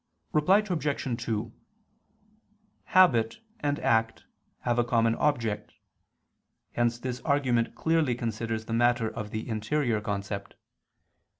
Reply Obj. 2: Habit and act have a common object. Hence this argument clearly considers the matter of the interior concept.